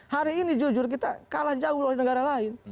hari ini jujur kita kalah jauh dari negara lain